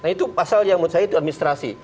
nah itu pasal yang menurut saya itu administrasi